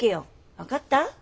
分かった？